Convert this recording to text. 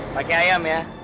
pakai ayam ya